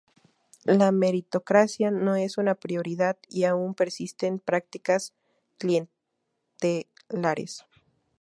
La meritocracia no es una prioridad y aún persisten prácticas clientelares.